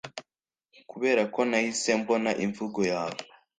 kubera ko nahise mbona imvugo yawe